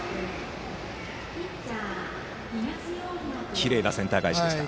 きれいなセンター返しでした。